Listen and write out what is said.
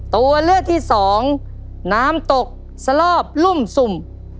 ตัวเลือกที่สองน้ำตกสลอบรุ่มสุ่ม